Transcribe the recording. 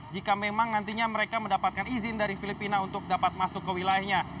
jika memang nantinya mereka mendapatkan izin dari filipina untuk dapat masuk ke wilayahnya